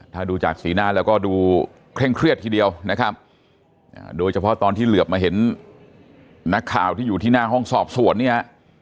ถ้าดูจากสีหน้าแล้วก็ดูเคร่งเครียดทีเดียวนะครับโดยเฉพาะตอนที่เหลือบมาเห็นนักข่าวที่อยู่ที่หน้าห้องสอบสวนเนี่ย